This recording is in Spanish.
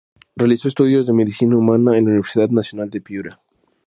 Realizó estudios de Medicina Humana en la Universidad Nacional de Piura.